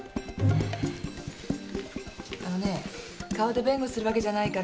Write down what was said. あのね顔で弁護するわけじゃないからね。